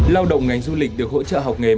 lao động ngành du lịch được hỗ trợ học nghề